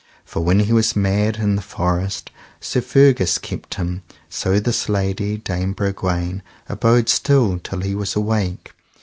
For when he was mad in the forest Sir Fergus kept him. So this lady, Dame Bragwaine, abode still till he was awake.